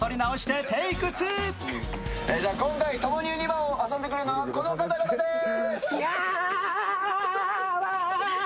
今回ともにユニバを遊んでくれるのはこの方々です。